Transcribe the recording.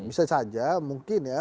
bisa saja mungkin ya